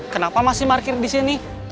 kenapa masih parkir di sini